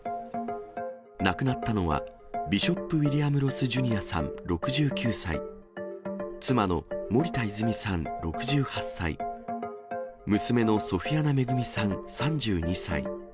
亡くなったのは、ビショップ・ウィリアム・ロス・ジュニアさん６９歳、妻の森田泉さん６８歳、娘のソフィアナ恵さん３２歳。